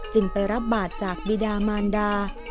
จึงไปรับบาทจากบิดามานดา